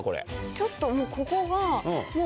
ちょっとここが。